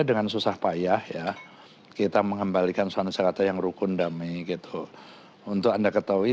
dengan susah payah ya kita mengembalikan suatu jakarta yang rukun damai gitu untuk anda ketahui